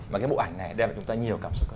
mà cái bộ ảnh này đem cho chúng ta nhiều cảm xúc